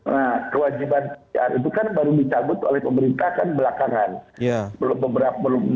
nah kewajiban pcr itu kan baru dicabut oleh pemerintah kan belakangan